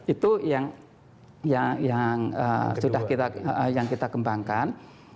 itu yang kita kembangkan